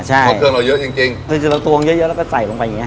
เพราะเครื่องเราเยอะจริงจริงคือจริงเราตวงเยอะเยอะแล้วก็ใส่ลงไปอย่างเง